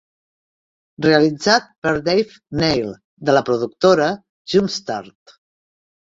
Realitzat per Dave Neil de la productora Jumpstart.